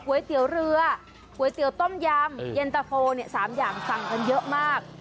เตี๋ยวเรือก๋วยเตี๋ยวต้มยำเย็นตะโฟเนี่ย๓อย่างสั่งกันเยอะมาก